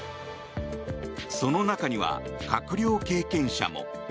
その中には閣僚経験者も。